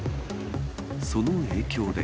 その影響で。